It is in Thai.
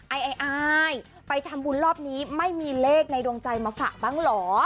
ไอ้อายไปทำบุญรอบนี้ไม่มีเลขในดวงใจมาฝากบ้างเหรอ